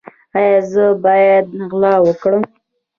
ایا زه باید غلا وکړم؟